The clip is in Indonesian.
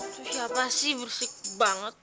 itu siapa sih bersik banget